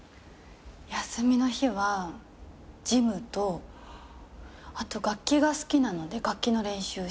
休みの日はジムとあと楽器が好きなので楽器の練習したりします。